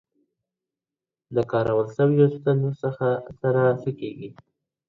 د کارول سویو ستنو سره څه کیږي؟